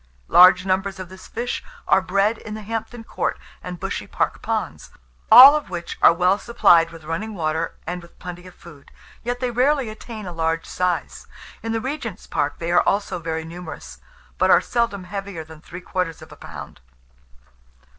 Large numbers of this fish are bred in the Hampton Court and Bushy Park ponds, all of which are well supplied with running water and with plenty of food; yet they rarely attain a large size. In the Regent's Park they are also very numerous; but are seldom heavier than three quarters of a pound.